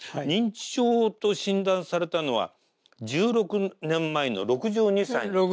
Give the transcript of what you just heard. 認知症と診断されたのは１６年前の６２歳。